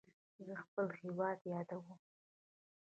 زه خپل هیواد یادوم.